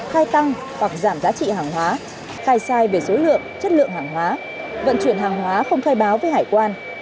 khai tăng hoặc giảm giá trị hàng hóa khai sai về số lượng chất lượng hàng hóa vận chuyển hàng hóa không khai báo với hải quan